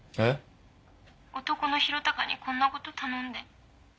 男の宏嵩にこんなこと頼んで。